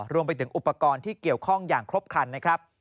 รวมไปถึงอุปกรณ์ที่เกี่ยวข้องอย่างครบคันนะครับ